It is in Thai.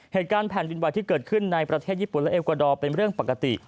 เหตุการณ์แผ่นดินไหวที่เกิดขึ้นในประเทศญี่ปุ่นและเอกวาดอร์เป็นเรื่องปกติ